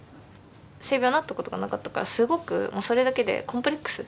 性病なったことがなかったからすごくもうそれだけでコンプレックス自分のこれは。